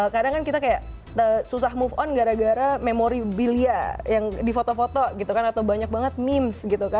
kadang kan kita kayak susah move on gara gara memori bilia yang di foto foto gitu kan atau banyak banget memes gitu kan